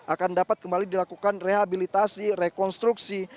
akan dapat kembali dilakukan rehabilitasi rekonstruksi